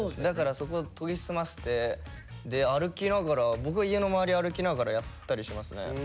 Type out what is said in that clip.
だからそこ研ぎ澄ませて歩きながら僕は家の周り歩きながらやったりしますね。